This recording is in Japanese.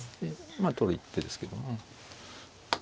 まあ取る一手ですけどね。